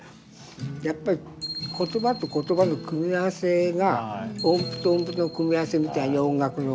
やっぱり言葉と言葉の組み合わせが音符と音符の組み合わせみたいに音楽の。